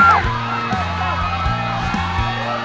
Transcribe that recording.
aku mau makan